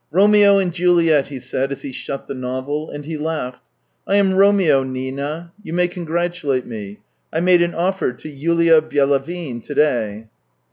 " Romeo and Juliet !" he said, as he shut the novel, and he laughed. " I am Romeo, Nina. You may congratulate me. I made an offer to Yulia Byelavin to day."